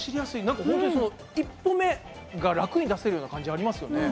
なんかほんとに一歩目が楽に出せるような感じありますよね。